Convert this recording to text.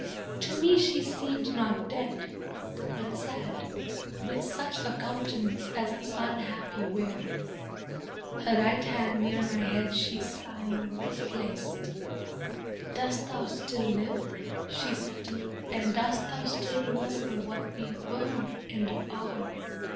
To me she seemed not dead, but sad, with such A countenance as the unhappy wear. Her right hand near my head she sighing placed; "Dost thou still live," she said to me, "and dost Thou still remember what we were and are?"